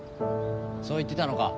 そう言ってたのか？